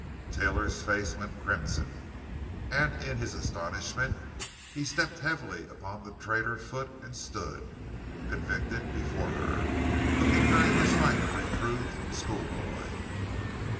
Taylor's face went crimson, and in his astonishment he stepped heavily upon the traitor foot and stood, convicted, before her, looking very much like a reproved schoolboy.